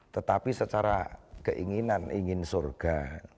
tetapi secara keinginan ingin surga